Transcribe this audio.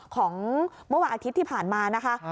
ของเมื่อวันอาทิตย์ที่ผ่านมานะคะ